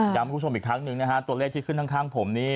ย้ำให้คุณผู้ชมอีกครั้งหนึ่งตัวเลขที่ขึ้นข้างผมนี่